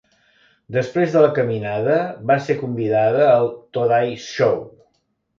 Després de la caminada, va ser convidada al "Today Show".